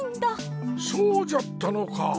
そうじゃったのか。